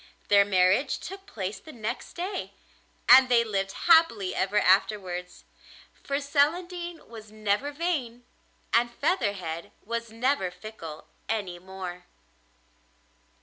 Their marriage took place the next day, and they lived happily ever afterwards, for Celandine was never vain and Featherhead was never fickle any more.